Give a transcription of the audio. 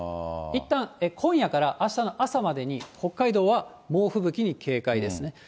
いったん今夜からあしたの朝までに北海道は猛吹雪に警戒ですね。